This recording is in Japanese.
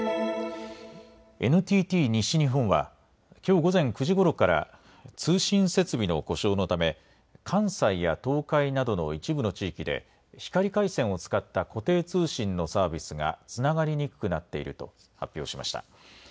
ＮＴＴ西日本はきょう午前９時ごろから通信設備の故障のため関西や東海などの一部の地域で光回線を使った固定通信のサービスがつながりにくくなっていると発表しました。